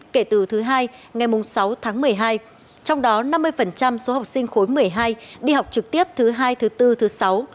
kể từ thứ hai ngày sáu tháng một mươi hai trong đó năm mươi số học sinh khối một mươi hai đi học trực tiếp thứ hai thứ bốn thứ sáu